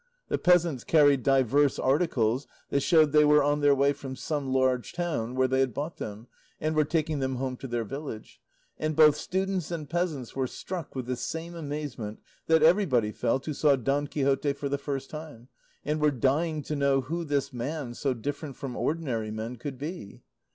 The peasants carried divers articles that showed they were on their way from some large town where they had bought them, and were taking them home to their village; and both students and peasants were struck with the same amazement that everybody felt who saw Don Quixote for the first time, and were dying to know who this man, so different from ordinary men, could be.